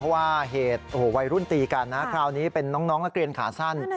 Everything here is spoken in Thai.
เพราะว่าเหตุวัยรุ่นตีกันนะคราวนี้เป็นน้องนักเรียนขาสั้น